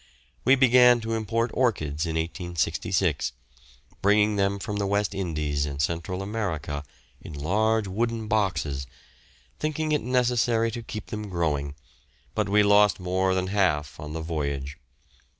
We began to import orchids in 1866, bringing them from the West Indies and Central America in large wooden boxes, thinking it necessary to keep them growing, but we lost more than half on the voyage.